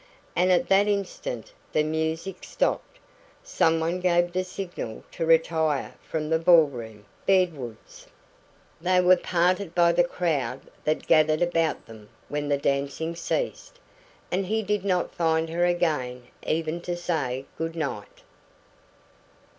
And at that instant the music stopped. Someone gave the signal to retire from the ball room, bedwards. They were parted by the crowd that gathered about them when the dancing ceased, and he did not find her again even to say good night.